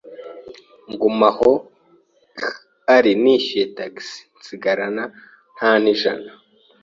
nguma aho. ari nishyuye Taxi nsigarana nta nijana